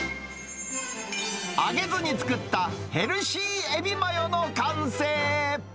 揚げずに作ったヘルシーエビマヨの完成。